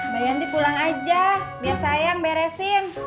bayangin pulang aja biar sayang beresin